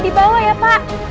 di bawah ya pak